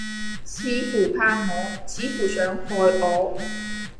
似乎怕我，似乎想害我。